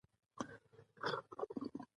د واک ناوړه کارول مشروعیت کموي